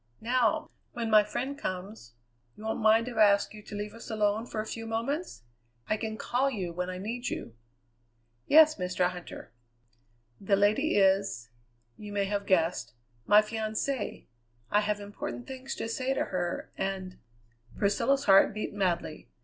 Now, when my friend comes, you won't mind if I ask you to leave us alone for a few moments? I can call you when I need you." "Yes, Mr. Huntter." "The lady is you may have guessed my fiancée. I have important things to say to her, and " Priscilla's heart beat madly.